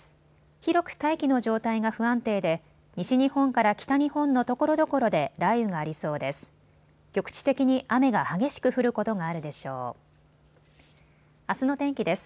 広く大気の状態が不安定で西日本から北日本のところどころで雷雨がありそうです。